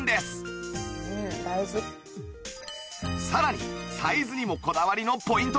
さらにサイズにもこだわりのポイントが！